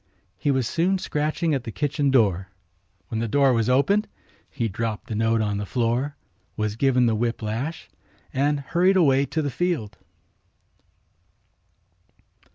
He was soon scratching at the kitchen door. When the door was opened he dropped the note on the floor, was given the whip lash and hurried away to the field.